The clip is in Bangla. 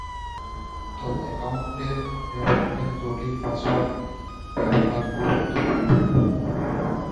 তবে অ্যাকাউন্টের নিরাপত্তায় জটিল পাসওয়ার্ড ব্যবহার গুরুত্বপূর্ণ।